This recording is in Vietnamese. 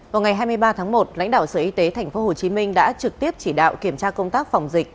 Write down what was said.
vào ngày hai mươi ba tháng một lãnh đạo sở y tế tp hcm đã trực tiếp chỉ đạo kiểm tra công tác phòng dịch